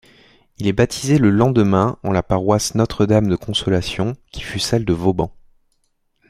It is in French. Il est baptisé le lendemain en la paroisse Notre-Dame-de-Consolation, qui fut celle de Vauban.